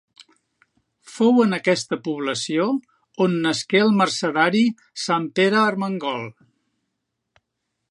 Fou en aquesta població on nasqué el mercedari sant Pere Ermengol.